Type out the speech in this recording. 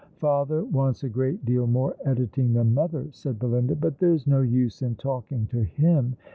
" Father wants a great deal more editing than mother,'' said Belinda, "but there's no use in talking to him.